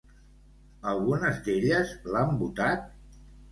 Algunes d'elles l'han votat?